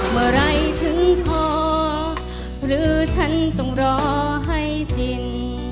เมื่อไหร่ถึงพอหรือฉันต้องรอให้สิ้น